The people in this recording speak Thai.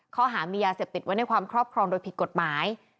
ข้อหามียาเสพติดไว้ในความครอบครองโดยผิดกฎหมาย